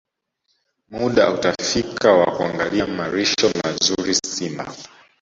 Muda utafika wa kuangalia malisho mazuri Simba